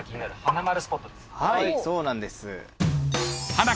そうなんです。